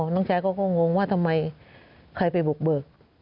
น้องชายเขาก็งงว่าทำไมใครไปบุกเบิก